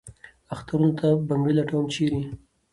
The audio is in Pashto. اخترونو ته بنګړي لټوم ، چېرې ؟